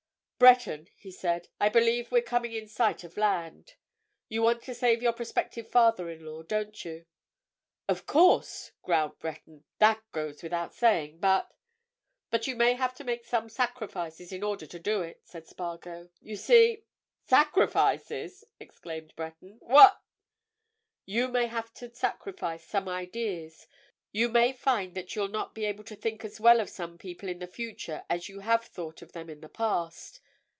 "Breton!" he said. "I believe we're coming in sight of land. You want to save your prospective father in law, don't you?" "Of course!" growled Breton. "That goes without saying. But——" "But you may have to make some sacrifices in order to do it," said Spargo. "You see——" "Sacrifices!" exclaimed Breton. "What——" "You may have to sacrifice some ideas—you may find that you'll not be able to think as well of some people in the future as you have thought of them in the past.